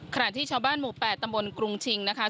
ขณะที่ชาวบ้านหมู่๘ตำบลกรุงชิงนะคะ